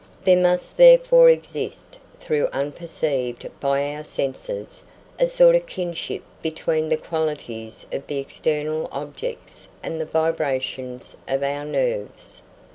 There must therefore exist, though unperceived by our senses, a sort of kinship between the qualities of the external objects and the vibrations of our nerves.